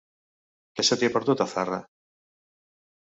Què se t'hi ha perdut, a Zarra?